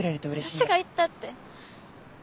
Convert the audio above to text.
私が行ったって。